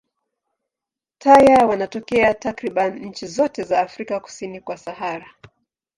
Taya wanatokea takriban nchi zote za Afrika kusini kwa Sahara.